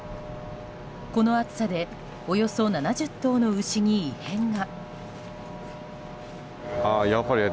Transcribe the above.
この暑さでおよそ７０頭の牛に異変が。